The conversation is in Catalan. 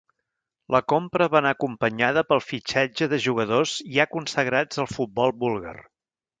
La compra va anar acompanyada pel fitxatge de jugadors ja consagrats al futbol búlgar.